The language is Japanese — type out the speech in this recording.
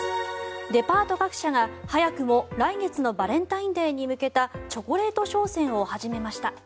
デパート各社が早くも来月のバレンタインデーに向けたチョコレート商戦を始めました。